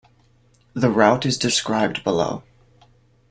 The route is described below.